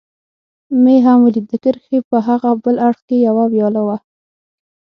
مې هم ولید، د کرښې په هاغه بل اړخ کې یوه ویاله وه.